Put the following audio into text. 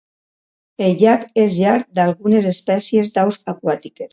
El llac és llar d'algunes espècies d'aus aquàtiques.